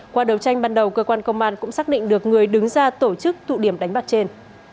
qua đấu tranh ban đầu cơ quan công an cũng xác định được người đứng ra tổ chức tụ điểm đánh bạc trên